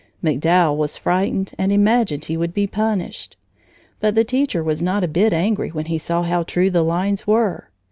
MacDowell was frightened and imagined he would be punished. But the teacher was not a bit angry when he saw how true the lines were.